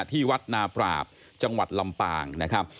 ที่วัดนาปราบจังหวัดลำปางนะครับ